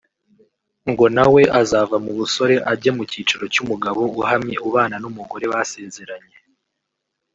ngo nawe azava mu busore ajye mu cyiciro cy’umugabo uhamye ubana n’umugore basezeranye